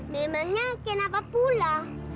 memangnya kenapa pula